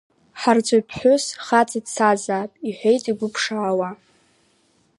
Ҳарҵаҩԥҳәыс хаҵа дцазаап, — иҳәеит игәы ԥшаауа.